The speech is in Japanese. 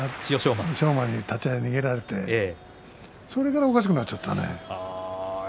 馬に立ち合い逃げられて、それからおかしくなっちゃったね。